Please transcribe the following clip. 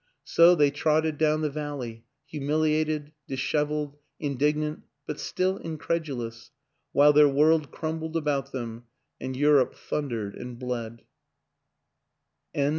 ... So they trotted down the valley, humiliated, disheveled, indignant, but still incredulous while their world crumbled about them and Europe thundered and bled.